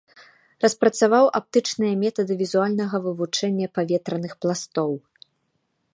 Распрацаваў аптычныя метады візуальнага вывучэння паветраных пластоў.